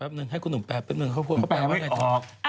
แป๊บนึงให้คุณหนูแปลกแป๊บนึงเขาพูดแปลไม่ออก